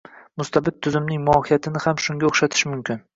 Mustabid tuzumning mohiyatini ham shunga o‘xshatish mumkin.